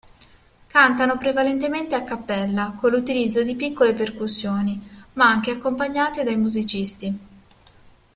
Cantano prevalentemente a cappella, con l'utilizzo di piccole percussioni, ma anche accompagnate dai musicisti.